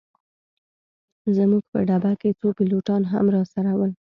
زموږ په ډبه کي څو پیلوټان هم راسره ول.